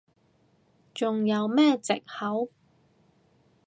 仲有咩藉口？